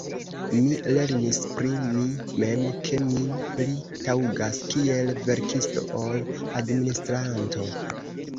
Mi lernis pri mi mem, ke mi pli taŭgas kiel verkisto ol administranto.